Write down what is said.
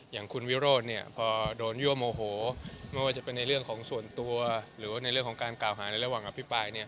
อย่างคุณวิโรธพอโดนยั่วโมโหไม่ว่าจะเป็นส่วนตัวหรือนี่แหละการกากหาในระหว่างอภิปราย